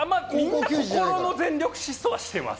心の全力疾走はしてます。